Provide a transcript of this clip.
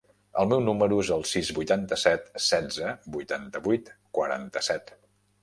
El meu número es el sis, vuitanta-set, setze, vuitanta-vuit, quaranta-set.